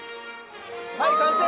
「はい完成！」